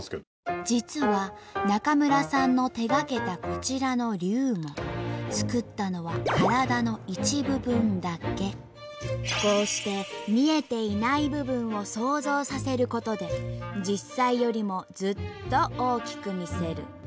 実は中村さんの手がけたこちらの竜も作ったのはこうして見えていない部分を想像させることで実際よりもずっと大きく見せる。